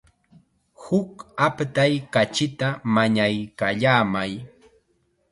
Huk aptay kachita mañaykallamay.